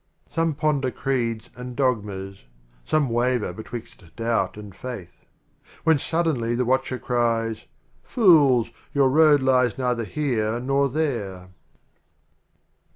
XXV. Some ponder Creeds and Dogmas; Some waver betwixt Doubt and Faith ; When suddenly the Watcher cries, "Fools, your Road lies neither Here nor There